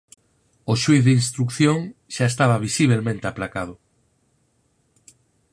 O xuíz de instrución xa estaba visibelmente aplacado.